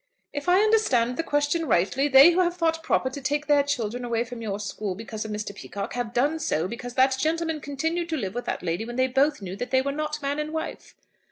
"If I understand the question rightly, they who have thought proper to take their children away from your school because of Mr. Peacocke, have done so because that gentleman continued to live with that lady when they both knew that they were not man and wife."